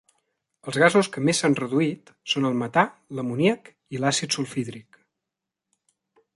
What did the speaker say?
Els gasos que més s'han reduït són el metà, l'amoníac i l'àcid sulfhídric.